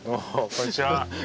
こんにちは！